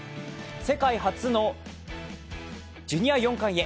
世界初のジュニア４冠へ。